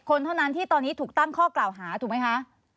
คนเท่านั้นที่ตอนนี้ถูกตั้งข้อกล่าวหาถูกไหมคะ